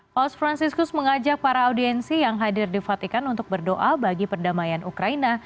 paus franciscus mengajak para audiensi yang hadir di fatikan untuk berdoa bagi perdamaian ukraina